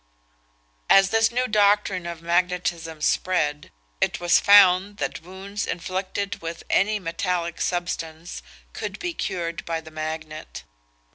As this new doctrine of magnetism spread, it was found that wounds inflicted with any metallic substance could be cured by the magnet.